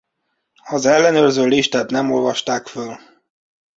Az ellenőrző listát nem olvasták föl.